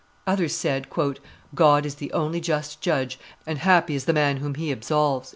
Others said, "God is the only just Judge, and happy is the man whom He absolves."